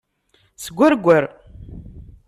Sgerger.